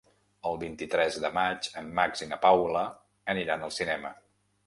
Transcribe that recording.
El vint-i-tres de maig en Max i na Paula aniran al cinema.